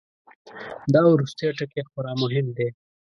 دا وروستی ټکی خورا مهم دی.